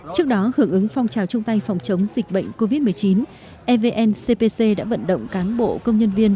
trước đó hưởng ứng phong trào chung tay phòng chống dịch bệnh covid một mươi chín evncpc đã vận động cán bộ công nhân viên